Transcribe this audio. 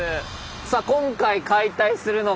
さあ今回解体するのが。